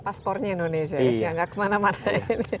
paspornya indonesia ya nggak kemana mana ini